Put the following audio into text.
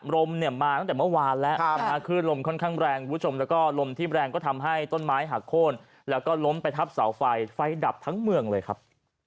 ลมเนี่ยมาตั้งแต่เมื่อวานแล้วขึ้นลมค่อนข้างแรงคุณผู้ชมแล้วก็ลมที่แรงก็ทำให้ต้นไม้หักโค้นแล้วก็ล้มไปทับเสาไฟไฟดับทั้งเมืองเลยครับ